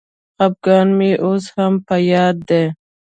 خپګان مي اوس هم په یاد دی.